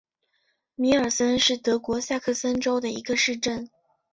米尔森是德国萨克森州的一个市镇。